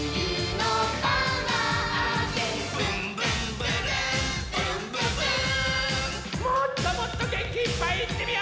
もっともっとげんきいっぱいいってみよう！